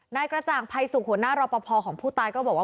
นายกระจ่างภัยสุขหัวหน้ารอปภของผู้ตายก็บอกว่า